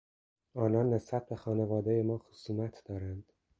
آنان نسبت به خانوادهی ما خصومت دارند.